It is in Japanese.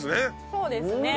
そうですね。